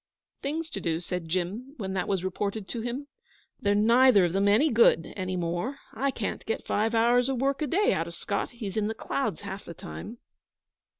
'Things to do!' said Jim, when that was reported to him. 'They're neither of them any good any more. I can't get five hours' work a day out of Scott. He's in the clouds half the time.'